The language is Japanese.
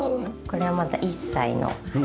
これはまだ１歳の。